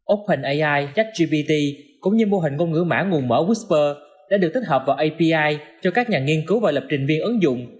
open ai chắc gpt cũng như mô hình ngôn ngữ mã nguồn mở usper đã được tích hợp vào api cho các nhà nghiên cứu và lập trình viên ứng dụng